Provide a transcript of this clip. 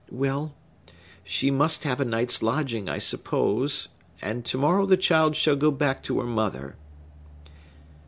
Well; she must have a night's lodging, I suppose; and to morrow the child shall go back to her mother."